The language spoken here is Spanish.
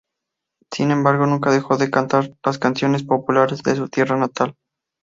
Sin embargo, nunca dejó de cantar las canciones populares de su tierra natal.